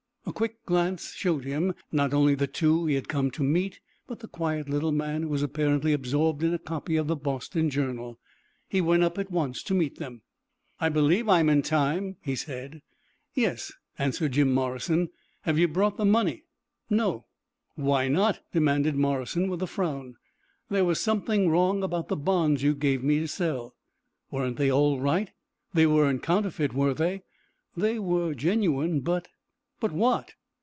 A quick glance showed him, not only the two he had come to meet, but the quiet, little man who was apparently absorbed in a copy of the Boston Journal. He went up at once to meet them. "I believe I am in time," he said. "Yes," answered Jim Morrison. "Have you brought the money?" "No." "Why not?" demanded Morrison, with a frown. "There was something wrong about the bonds you gave me to sell." "Weren't they all right? They weren't counterfeit, were they?" "They were genuine, but " "But what?"